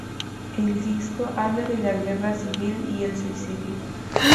El disco habla de la guerra civil y el suicidio.